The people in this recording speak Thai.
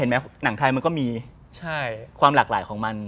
หนังไทยมันก็มีความหลากหลายของมัน